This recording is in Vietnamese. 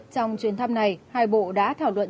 trong chuyến thăm này hai bộ đã thảo luận